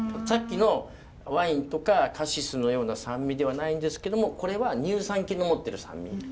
さっきのワインとかカシスのような酸味ではないんですけどもこれは乳酸菌の持ってる酸味。